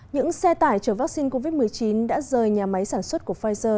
những xe tải chở vaccine covid một mươi chín đã rời nhà máy sản xuất của pfizer